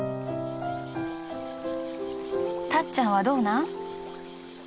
たっちゃんはどうなん？